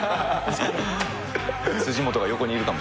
辻本が横にいるかも。